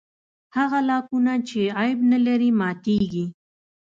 هغه لاکونه چې عیب نه لري ماتېږي.